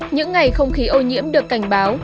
những ngày không khí ô nhiễm được cảnh báo